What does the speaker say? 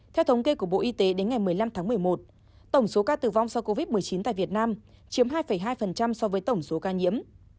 theo thống kê của bộ y tế đến ngày một mươi năm tháng một mươi một tổng số ca tử vong do covid một mươi chín tại việt nam chiếm hai hai so với tổng số ca nhiễm